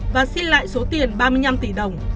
và xin lại số tiền ba mươi năm tỷ đồng